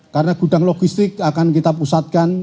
karena gudang logistik akan kita pusatkan